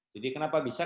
jadi kenapa bisa